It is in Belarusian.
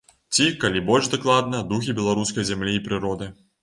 Ці, калі больш дакладна, духі беларускай зямлі і прыроды.